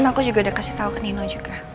aku juga udah kasih tau ke nino juga